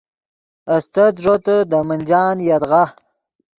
استت ݱوتے دے منجان یدغا